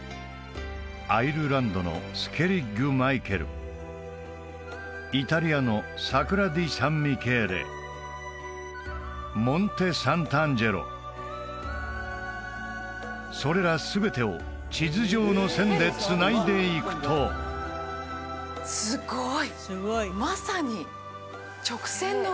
アイルランドのスケリッグ・マイケルイタリアのサクラ・ディ・サン・ミケーレモンテ・サンタンジェロそれら全てを地図上の線でつないでいくとすごい！